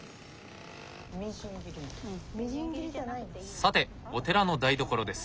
さてお寺の台所です。